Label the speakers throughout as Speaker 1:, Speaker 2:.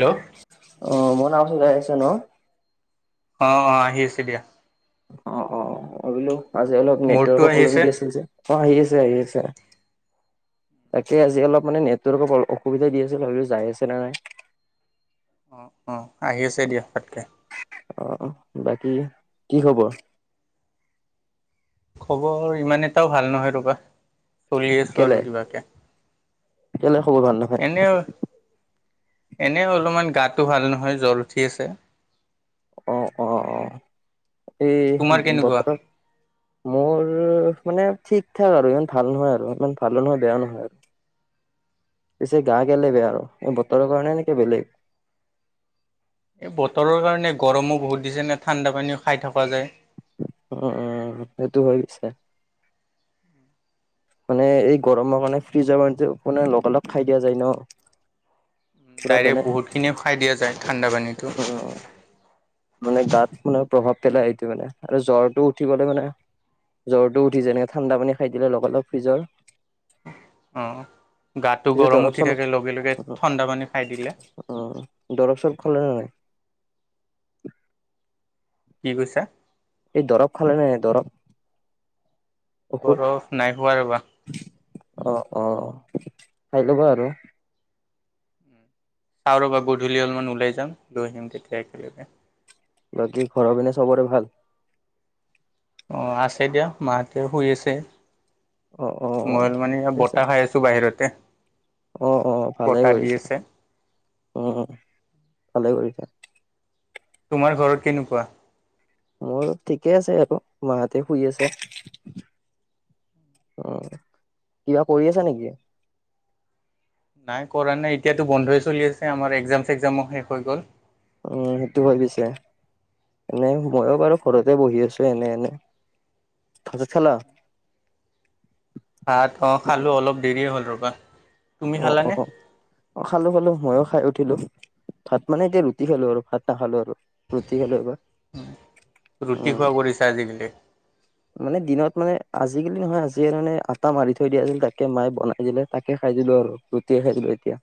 Speaker 1: Hello
Speaker 2: অ মনচ হৈ আহিছে ন
Speaker 1: অ অ আহি আছে দিয়া
Speaker 2: অ অ অ বলো আজি অলপ নেটৱৰ্
Speaker 1: মোৰতো
Speaker 2: ৱকৰ
Speaker 1: আহি
Speaker 2: প্লেৱলেম
Speaker 1: আছে
Speaker 2: দি আছিল যে অ আহি আ সি আহি আছে তাকে আজি অলপ মানে নেটৱৰ্ক অসুবিধা দি আছিল ভাবিলো যাই আছে নে নাই?
Speaker 1: অ অ আহি আছে দিয়ক তাকে
Speaker 2: আহ বাকী কি খবৰ?
Speaker 1: খবৰ ইমান এটাও ভাল নহয় ৰবা চলি আছোঁ
Speaker 2: কেলে,
Speaker 1: আৰু কিবাকে
Speaker 2: কেলে খবৰ ভাল নহয়?
Speaker 1: এনে এনে অলপ মান গাত- টো ভাল নহয় জ্বৰ উঠি আছে।
Speaker 2: অহ অহ অহ এই
Speaker 1: তোমাৰ কেনেকুৱা
Speaker 2: বতৰত মোৰ মানে ঠিক ঠাক আৰু ইমান ভাল নহয় আৰু ইমান ভালো নহয় বেয়াও নহয় আৰু পিছে গা কেলে বেয়া আৰু এই বতৰৰ কাৰণে এনেকে বেলেগ
Speaker 1: এই বতৰৰ কাৰণে গৰমো বহুত দিছে নে ঠাণ্ডা পানীও খাই থকা যায়
Speaker 2: অ অ সেইটো হৈ পিছে মানে এই গৰমৰ কাৰণে ফ্ৰিজৰ পানীটো লগালগ খাই দিয়া যায় ন পুৰা বেনে
Speaker 1: ডাইৰেক্ট বহুতখিনি খাই দিয়া যায় ঠাণ্ডা পানীটো।
Speaker 2: উম, মানে গাত মানে প্ৰভাৱ পেলাই সেইটো মানে আৰু জ্বৰটো উঠিবলৈ মানে জ্বৰটো উঠি যেনেকে ঠাণ্ডা পানী খাই দিলে লগালগ ফ্ৰিজৰ
Speaker 1: অ গাটো
Speaker 2: পিছত
Speaker 1: গৰম
Speaker 2: দৰৱ
Speaker 1: উঠি
Speaker 2: চৰৱ
Speaker 1: থাকে লগে লগে ঠাণ্ডা পানী খাই দিলে
Speaker 2: অ দৰব চৰব খালে নে নাই?
Speaker 1: কি কৈছা?
Speaker 2: এই দৰৱ খালে নে নাই দৰৱ?
Speaker 1: বৰফ নাই খোৱা ৰ'বা
Speaker 2: ঔষধ অহ অহ খাই লবা আৰু
Speaker 1: চাও ৰবা গধূলি অলমান ওলাই যাম লৈ আহিম তেতিয়া একেলগে।
Speaker 2: বাকী ঘৰ পিনে চবৰে ভাল?
Speaker 1: অ আছে দিয়া মাহঁতে শুই আছে।
Speaker 2: অ অ
Speaker 1: মই
Speaker 2: অ
Speaker 1: অলপ মানি বতাহ খাই আছো বাহিৰতে
Speaker 2: অহ অহ ভালে
Speaker 1: বতাহ দি
Speaker 2: কৰিছে
Speaker 1: আছে।
Speaker 2: উম ভালে কৰি-
Speaker 1: তোমাৰ ঘৰত কেনেকুৱা?
Speaker 2: মোৰ ঠিকে আছে আৰু মাহতে শুই আছে। উম কিবা কৰি আছা নেকি?
Speaker 1: নাই কৰা নাই এতিয়াতো বন্ধই চলি আছে আমাৰ একজাম চেকজামো শেষ হৈ গ'ল।
Speaker 2: উম সেইটো হয় পিছে। এনে ময়ো বাৰু ঘৰতে বহি আছো এনে এনে। ভাত চাত খালা? [inaudible]
Speaker 1: ভাত অহ খালো অলপ দেৰিয়ে হ'ল ৰবা। তুমি
Speaker 2: অহ
Speaker 1: খালানে?
Speaker 2: অহ অহ খালো খালো ময়ো খাই উঠিলো ভাত মানে এতিয়া ৰুটি খালো আৰু ভাত নাখালোঁ আৰু ৰুটি খালো এইবাৰ
Speaker 1: ৰুটি
Speaker 2: উম
Speaker 1: খোৱা কৰিছা আজিকালি
Speaker 2: মানে দিনত মানে আজিকালি নহয় আজিয়ে মানে আটা মাৰি থৈ দিয়া আছিল তাকে মায়ে বনাই দিলে তাকে খাই দিয়ে ছিলো আৰু ৰুটি খাই দিলো এতিয়া।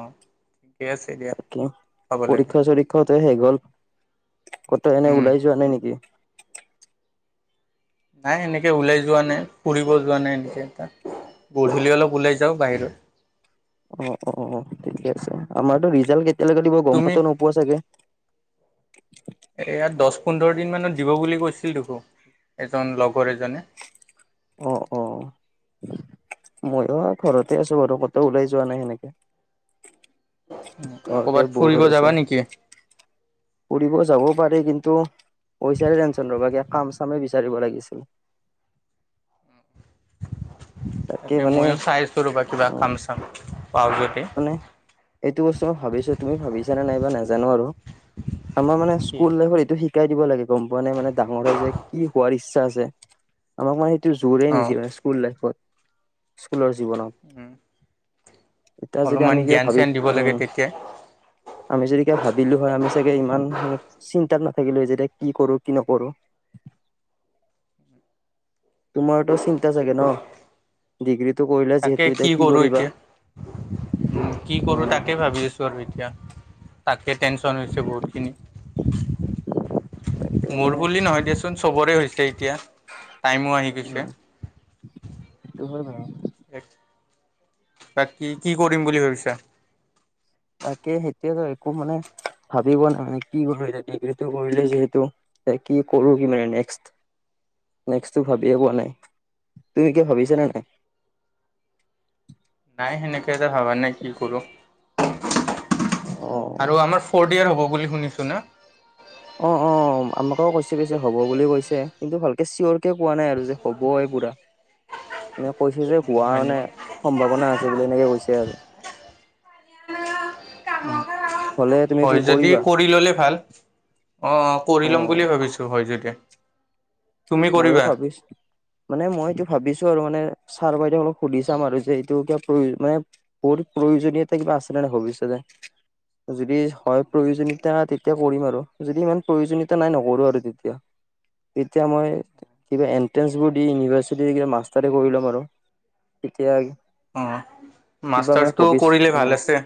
Speaker 1: অ'। ঠিকে আছে দিয়া
Speaker 2: তাকে
Speaker 1: খাব লাগে
Speaker 2: পৰীক্ষা চৰীক্ষাতে শেষ হ'ল। ক'ত এনে
Speaker 1: উম।
Speaker 2: ওলাই যোৱা নাই নেকি?
Speaker 1: নাই এনেকে ওলাই যোৱা নাই। ফুৰিব যোৱা নাই এনেকেটা। গধূলি অলপ ওলাই যাওঁ বাহিৰত।
Speaker 2: অহ অহ ঠিকে আছে আমাৰতো ৰিজাল্ট কেতিয়ালৈকে দিব গম
Speaker 1: তুমি
Speaker 2: পাতো নোপোৱা চাগে।
Speaker 1: এয়া দহ পোন্ধৰ দিন মানত দিব বুলি কৈছিল দেখোন এজন লগৰ এজনে
Speaker 2: অহ অহ মইয়ো ঘৰতে আছো বাৰু কত ওলাই যোৱা নাই সেনেকে ঘৰতে
Speaker 1: ক'ৰবাত
Speaker 2: বৰ
Speaker 1: ফুৰিব
Speaker 2: হৈ আছ
Speaker 1: যাবা
Speaker 2: অহ
Speaker 1: নেকি?
Speaker 2: ফুৰিব যাবও পাৰি কিন্তু পইছাৰে টেনচন ৰবা কিয়া কাম চাম বিচাৰিব লাগিছিল।
Speaker 1: তাকে ময়ো চাইছোঁ ৰ'বা কিবা
Speaker 2: অ
Speaker 1: কাম চাম পাওঁ যদি।
Speaker 2: মানে এইটো বস্তু মই ভাবিছো তুমি ভাবিছানে নাইবা নাজানো আৰু আমাৰ মানে
Speaker 1: কি?
Speaker 2: স্কুল লাইফত এইটো শি শিকাই দিব লাগে গম পানে মানে ডাঙৰ হয় যে কি হোৱাৰ ইচ্ছা আছে আমাক মানে এইটো জোৰে
Speaker 1: অ',
Speaker 2: নেকি স্কুল লাইফত স্কুল জীৱনত
Speaker 1: উম,
Speaker 2: এতিয়া যদি
Speaker 1: অলপমান
Speaker 2: আমি কিবা
Speaker 1: জ্ঞান
Speaker 2: ভাবি
Speaker 1: চ্যান দিব লাগে
Speaker 2: উম
Speaker 1: তেতিয়া।
Speaker 2: আমি যদি ভাবিলো হয় আমি চাগে ইমান চিন্তাত নাথাকিলো যেতি কি কৰো কি নকৰো [unintelligible]
Speaker 1: উম
Speaker 2: তোমাৰতো চিন্তা চাগে ন ডিগ্ৰী কৰিলা
Speaker 1: তাকে
Speaker 2: যিহেতু এতিয়া কি
Speaker 1: কৰোঁ
Speaker 2: কৰিবা।
Speaker 1: এতিয়া, কি কৰো
Speaker 2: উম
Speaker 1: তাকে ভাবি আছো আৰু এতিয়া তাকে টেনচন হৈছে বহুতখিনি
Speaker 2: তাকে
Speaker 1: মোৰ
Speaker 2: মানে
Speaker 1: বুলি নহয় দিয়াচোন টেনচন চবৰে হৈছে এতিয়া টাইমো আহি
Speaker 2: উম
Speaker 1: গৈছে
Speaker 2: সেইটো হয় বাৰু
Speaker 1: বাকী কি কি কৰিম বুলি ভাবিছা
Speaker 2: তাকে সেইতোয়ে ভাবিছো মানে ভাবিব ন মানে কি কৰো এতিয়া ডিগ্ৰীটো কৰিলে যিহেতু এ কি কৰো কি মানে নেক্স নেক্টো ভাবিয়ে পোৱা নাই তুমি কিয় ভাবিছ নে নাই [unintelligible]
Speaker 1: নাই সেনেকে এ ভবা নাই কি কৰো
Speaker 2: অ',
Speaker 1: আৰু আমাৰ ফৰ্ড য়েৰ্চ হ'ব বুলি শুনিছো না
Speaker 2: অহ অহ আমাকেও কৈছে পিছে হ'ব বুলি কৈছে কিন্তু ভালকে চিয়ৰ কে কোৱা নাই আৰু যে হ'বে পোৰা ম কৈছ যে হোৱা
Speaker 1: হয়
Speaker 2: মানে
Speaker 1: নেকি,
Speaker 2: সম্ভাৱনা আছে বুলি এনেকে কৈছে আৰু হলে তুমি কি
Speaker 1: হয়
Speaker 2: কৰিবা।
Speaker 1: অ অ কৰি ল'ম
Speaker 2: অ',
Speaker 1: বুলি ভাবিছো হয় যদি তুমি
Speaker 2: মইও
Speaker 1: কৰিবা?
Speaker 2: ভাবিছো মানে মইতটো ভাবিছো আৰু মানে ছাৰ বাইদেউক অলপ সুধি চাম আৰু যে এইটো কিবা প্ৰয়ো মানে বহুত প্ৰয়োজনীয়তা কিবা আছে নে নাই ভৱিষ্যতে [unintelligible] যদি হয় প্ৰয়োজনতা তেতিয়া কৰিম আৰু যদি ইমান প্ৰয়োজনীয়তা নাই নকৰো আৰু তেতিয়া এতিয়া মই কিবা এনট্ৰেন্ঞ্চবোৰ দি ইউনিভাৰ্চিটিৰ ক মাষ্টাৰে কৰি ল'ম আৰু তেতিয়া
Speaker 1: অ
Speaker 2: কিবা মানে
Speaker 1: মাষ্টাৰছটো
Speaker 2: ভৱিষ
Speaker 1: কৰিলে
Speaker 2: উম
Speaker 1: ভাল আছে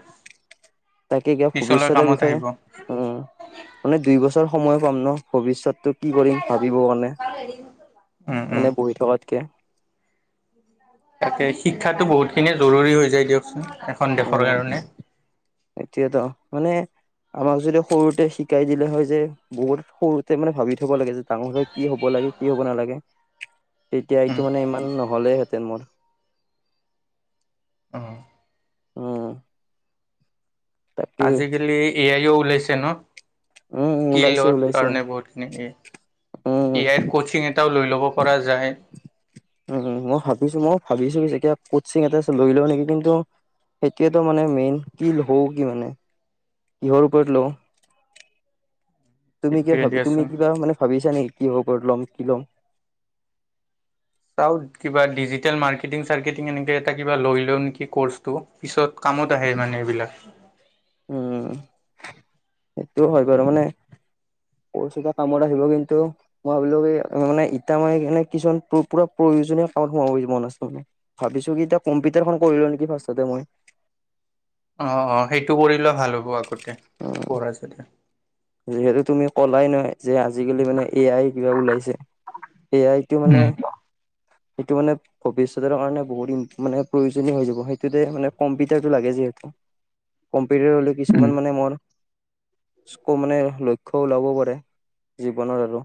Speaker 2: তাকে কিবা
Speaker 1: পিছলৈ
Speaker 2: ভৱিষ্যতৰ
Speaker 1: কামত
Speaker 2: বিষয়ে
Speaker 1: আহিব।
Speaker 2: উম মানে দুই বছৰ সময় পাম ন ভৱিষ্যতটো কি কৰিম ভাব দিব কাৰণে
Speaker 1: উম, উম।
Speaker 2: এনে বহি থকাতকে
Speaker 1: তাকে শিক্ষাতো বহুত খিনিয়ে জৰুৰী হৈ যায় দিয়কচোন এখন দেশৰ
Speaker 2: উম
Speaker 1: কাৰণে।
Speaker 2: এতিয়ােত মানে আমাক যদি সৰুতে শিকাই দিলে হয় যে বহুত সৰুতে মানে ভাবি থব লাগে যে ডাঙৰ হ কি হ'ব লাগে কি হ'ব নালাগে তেতিয়া এইটো
Speaker 1: উম,
Speaker 2: মানে ইমান নহলে হ মোৰ
Speaker 1: উম।
Speaker 2: উম তাকেই
Speaker 1: আজিকালি এ আইও ওলাইছে ন
Speaker 2: উম, উম, ওলাইছে
Speaker 1: স্কিলৰ
Speaker 2: ওলাইছে
Speaker 1: কাৰণে বহুতখিনি
Speaker 2: উম,
Speaker 1: ইয়াইৰ কচিং এটাও লৈ ল'ব পৰা যায়
Speaker 2: উম মই ভাবিছো মই ভাবিছো যে এতিয়া কচিং এটা লৈলেও নেকি কিন্তু সেইটয়েতো মানে মেইন কি লওঁ কি মানে কিহৰ ওপৰত লওঁ তুমি কিয়
Speaker 1: সেইটোৱে
Speaker 2: ভাবি তুমি
Speaker 1: দিয়াচোন।
Speaker 2: কিবা মানে ভাবিছা নেকি কি হব কৰি ল'ম কি ল'ম
Speaker 1: চা কিবা ডিজিটেল মাৰ্কেটিং সৰ্কেটিন এটা কিবা লৈ লও নেকি কামত আহে মানে এইবিলাক
Speaker 2: উমঁ সেইটো হয় বাৰু মানে- [unintelligible] কামত আহিব কিন্তু। মই ভাবিলো কি মই মানে এতিয়া মই কিছুমান [unintelligible] দুইজনে কামত সোমাব মন আছে মানে। ভাবিছো কি এতিয়া কম্পিউটাৰ খন কৰি লও নেকি ফাস্ততে মই। [unintelligible]
Speaker 1: অঁ অঁ সেইটো কৰিলে ভাল হ'ব আগতে
Speaker 2: উম,
Speaker 1: কৰা যদি।
Speaker 2: যিহেতু তুমি কলাই নহয়- যে আজিকালি মানে এ আই কিবা ওলাইছে। এ আই টো
Speaker 1: উম
Speaker 2: মানে সেইটো মানে ভৱিষ্যতৰ কাৰণে বহুত মানে ইম প্ৰয়োজনীয় হৈ যাব। সেইটোতে মানে কম্পিউটাৰটো লাগে। কম্পিউটাৰ হ'লে
Speaker 1: উম
Speaker 2: কিছুমান মানে মোৰ- [unintelligible] লক্ষ্য ওলাব পাৰে জীৱনত আৰু।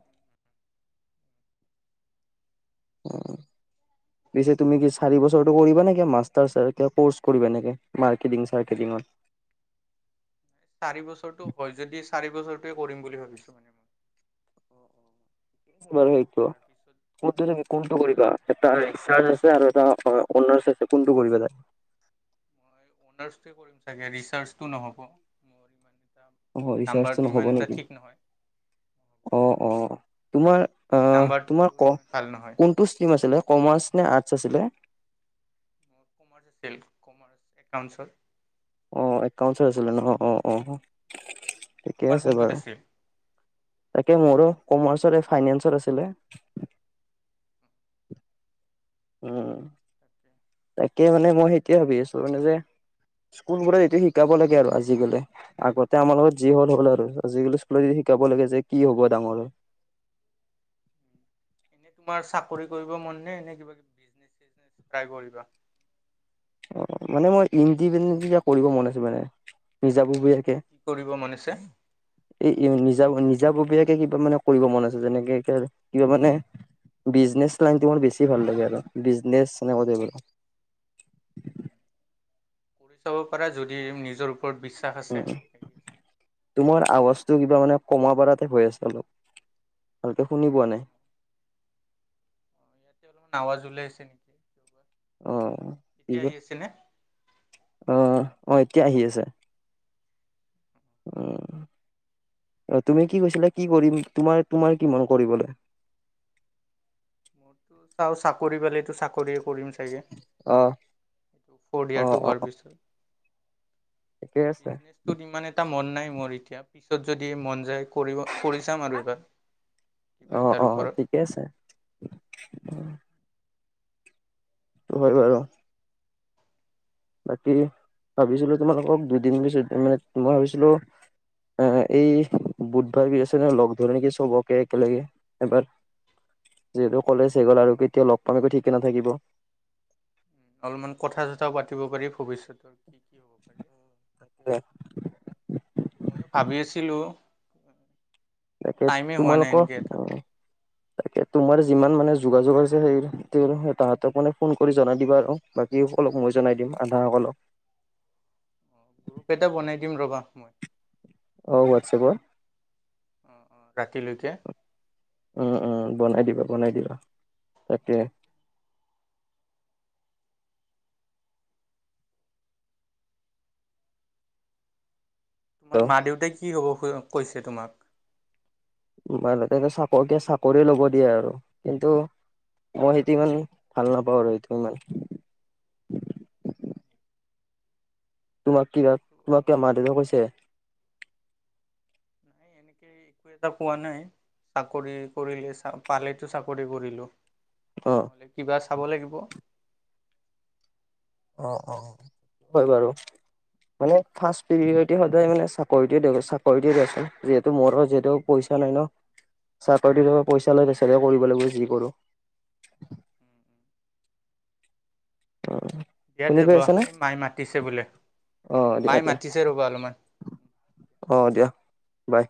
Speaker 2: উমঁ। পিছে তুমি কি চাৰি বছৰটো কৰিবা নে কি মাষ্টাৰ কৰ্চ কৰিবা এনেকে মাৰ্কেটিং চাৰ্কেটিঙত। [unintelligible]
Speaker 1: চাৰি বছৰটো হয় যদি চাৰি বছৰটোৱে কৰিম বুলি ভাবিছো মানে মই।
Speaker 2: বাৰু সেইটো।
Speaker 1: তাৰপিছত
Speaker 2: [unintelligible] কোনটো
Speaker 1: তাৰ
Speaker 2: কৰিবা এটা [unintelligible] আৰু এটা অন্য [unintelligible] কোনটো কৰিবা?
Speaker 1: অনাৰ্ছ টোৱে কৰিম চাগে ৰিচাৰ্জটো নহব। এটা
Speaker 2: অঁ ৰিচাৰ্জটো
Speaker 1: নাম্বাৰটো
Speaker 2: নহব
Speaker 1: ইমান এটা
Speaker 2: নেকি,
Speaker 1: ঠিক নহয়
Speaker 2: অঁ অঁ তোমাৰ- অঁ
Speaker 1: নাম্বাৰটো
Speaker 2: তোমাৰ ক
Speaker 1: ইমান ভাল নহয়
Speaker 2: কোনটো ষ্টিম আছিলে? কমাৰ্চ নে আৰ্টছ আছিলে?
Speaker 1: কমাৰ্চ আছিল কমাৰ্চ একাউঞ্চত।
Speaker 2: অঁ একাউঞ্চৰ আছিলে ন অঁ অঁ। ঠিকে
Speaker 1: তোমাৰ
Speaker 2: আছে
Speaker 1: কোনটোত
Speaker 2: বাৰু
Speaker 1: আছিল
Speaker 2: তাকে মোৰো- কৰ্ম ছাৰ এ ফাইনেন্সত আছিলে। উমঁ। তাকে মানে মই সেইটোয়ে ভাবি আছো মানে যে স্কুলবোৰে এইটো শিকাব লাগে আৰু আজিকালি। আগতে আমাৰ লগত যি হ'ল-হ'ল আৰু আজিকালি স্কুলত যদি শিকাব লাগে যে কি হ'ব ডাঙৰ হৈ।
Speaker 1: এনে তোমাৰ চাকৰি কৰিব মন নে, নে কিবা কিবি বিজনেছ চিজনেছ ট্ৰাই কৰিবা?
Speaker 2: অঁ মানে মই ইণ্ডিপেডেণ্ট কৰিব মন আছে মানে। নিজাববীয়া
Speaker 1: কি কৰিব মন‌ আছে?
Speaker 2: এই নিজা নিজাববীয়াকে কিবা মানে কৰিব মন আছে। যেনেকে কিবা মানে- বিজনেছ লাইনটো মোৰ বেছি ভাল লাগে আৰু। বিজনেছ এনেকোৱা টাইপৰ
Speaker 1: কৰি চাব পাৰা যদি নিজৰ ওপৰত বিশ্বাস আছে।
Speaker 2: উম তোমাৰ আৱাজটো কিবা মানে কমা পাৰাতে হৈ আছে অলপ। ভালকে শুনি পোৱা নাই।
Speaker 1: অ' আৱাজ ওলাইছে
Speaker 2: অঁহ অঁহ অঁহ এতিয়া আহি আছে। উমঁ। তুমি কি কৈছিলা কি কৰিম তোমাৰ-তোমাৰ কি মন কৰিবলে?
Speaker 1: চাও চাকৰি পালেটো চাকৰি কৰিম চাগে।
Speaker 2: অ অ
Speaker 1: ফ'ৰয়াৰটো
Speaker 2: অ
Speaker 1: হোৱাৰ পিছত।
Speaker 2: ঠিকে আছে
Speaker 1: বিজনেছটোত ইমান এটা মন- নাই মোৰ এতিয়া। পিছত যদি মন যায় কৰিব কৰি চাম আৰু এবাৰ। কিবা এটাৰ
Speaker 2: অঁ-অঁ
Speaker 1: ওপৰত
Speaker 2: ঠিকেই আছে। হয় বাৰু। বাকী ভাবিছিলো তোমালোকক দুদিন পিছত মানে মই ভাবিছিলো এ এই বুধবাৰ বৃহস্পতিবাৰে মানে লগ ধৰে নেকি চবকে একেলগে এবাৰ। যিহেতু কলেজ শেষ হ'ল আৰু কেতিয়া লগ পাম একো ঠিকে নাথাকিব।
Speaker 1: অলপমান কথা চথাও পাতিব পাৰি ভৱিষ্যতৰ কি ময়ো ভাবি আছো। চিলো
Speaker 2: তাকে তোমালোকৰ তা তোমাৰ যিমান মানে যোগাযোগ আছে সেই তাহতক মানে ফোন কৰি জনাই দিবা আৰু বাকী অলপ মই জনাই দিম আধাসকলক৷
Speaker 1: গ্ৰুপ এটা বনাই দিম ৰবা মই৷
Speaker 2: অ' হোৱাটছএপৰ।
Speaker 1: অ-অ ৰাতিলৈকে
Speaker 2: উম-উম বনাই দিবা বনাই দিবা তাকে৷
Speaker 1: তোমাৰ মা দেউতাই কি হ'ব কৈছে তোমাক?
Speaker 2: মাহতে চাকৰ চাকৰি ল'ব দিয়ে আৰু কিন্তু মই সেইটো ইমান ভাল নাপাওঁ আৰু সেইটো ইমান৷ তোমাক কিবা তোমাক কিবা মা দেউতাক কৈছে?
Speaker 1: নাই এনেকে একো এটা কোৱা নাই চাকৰি কৰিলে চা পালেতো চাকৰি কৰিলো৷
Speaker 2: অ
Speaker 1: নহলে কিবা চাব লাগিব৷
Speaker 2: অ-অ হয় বাৰু৷ মানে ফাষ্ট পিৰিয়তি সদায় মানে চাকৰি-চাকৰি দিয়চোন যিহেতু মোৰ যিহেতু পইছা পইছা নাই ন চাকৰি পইচা লৈ বেচাৰে কৰিব লাগিব যি কৰো [unintelligible] অ
Speaker 1: দিয়া
Speaker 2: শুনি
Speaker 1: দেব
Speaker 2: পাই আছা নে
Speaker 1: এই মাই মাতিছে বোলে
Speaker 2: অ দিয়া
Speaker 1: মায়
Speaker 2: দিয়া
Speaker 1: মাতিছে ৰ'বা অলপমান৷
Speaker 2: অ দিয়া বাই